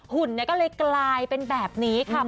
หุ่นก็เลยกลายเป็นแบบนี้ค่ะ